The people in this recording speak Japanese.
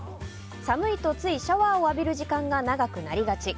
寒いと、ついシャワーを浴びる時間が長くなりがち。